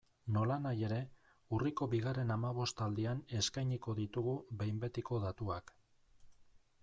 Nolanahi ere, urriko bigarren hamabostaldian eskainiko ditugu behin betiko datuak.